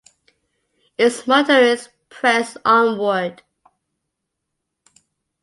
Its motto is Press Onward.